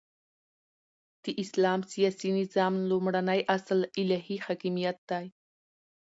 د اسلام سیاسی نظام لومړنی اصل الهی حاکمیت دی،